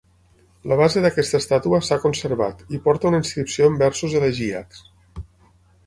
La base d'aquesta estàtua s'ha conservat i porta una inscripció en versos elegíacs.